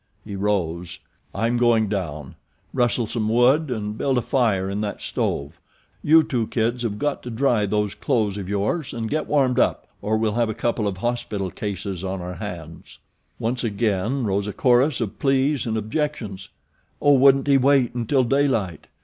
He rose. "I'm going down, rustle some wood and build a fire in that stove you two kids have got to dry those clothes of yours and get warmed up or we'll have a couple of hospital cases on our hands." Once again rose a chorus of pleas and objections. Oh, wouldn't he wait until daylight?